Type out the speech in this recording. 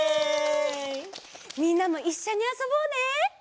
みんなもいっしょにあそぼうね！